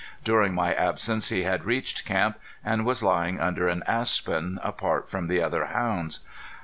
During my absence he had reached camp, and was lying under an aspen, apart from the other hounds.